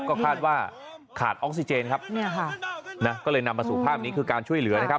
ก็คาดว่าขาดออกซิเจนครับเนี่ยค่ะนะก็เลยนำมาสู่ภาพนี้คือการช่วยเหลือนะครับ